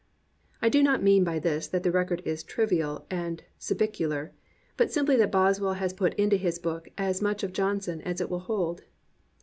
I do not mean by this that the record is trivial and cubicular, but simply that Boswell has put into his book as much of Johnson as it will hold.